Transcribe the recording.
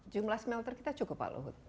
jumlah smelter kita cukup pak luhut